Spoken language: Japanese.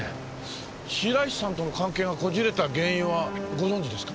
白石さんとの関係がこじれた原因はご存じですか？